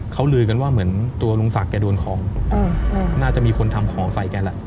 เขาลือกันว่าเหมือนตัวลุงศักดิ์แกโดนของน่าจะมีคนทำของใส่แกแหละ